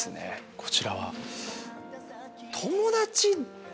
こちらは？